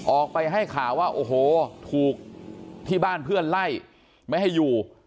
ออกไปให้ข่าวว่าโอ้โหถูกที่บ้านเพื่อนไล่ไม่ให้อยู่